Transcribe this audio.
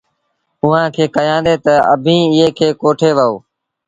اُئآݩٚ کي ڪهيآندي تا، ”اڀيٚنٚ ايٚئي کي ڪوٺي وهو